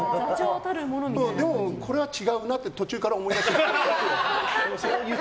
でも、これは違うなって途中から思いましたけどね。